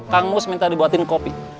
kang mus minta dibuatin kopi